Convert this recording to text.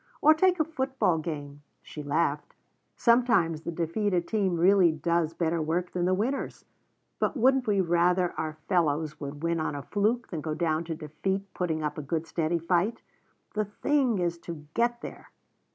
Or take a football game," she laughed. "Sometimes the defeated team really does better work than the winners but wouldn't we rather our fellows would win on a fluke than go down to defeat putting up a good, steady fight? The thing is to _get there!